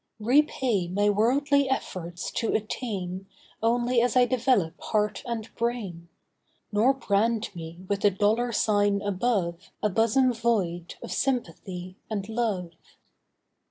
Repay my worldly efforts to attain Only as I develop heart and brain; Nor brand me with the 'Dollar Sign' above A bosom void of sympathy and love.